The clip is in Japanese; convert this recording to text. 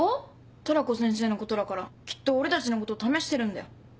トラコ先生のことだからきっと俺たちのこと試してるんだよ。